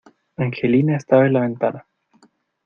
Angelina estaba en la ventana.